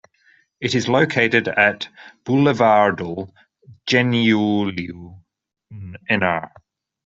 It is located at Bulevardul Geniului, nr.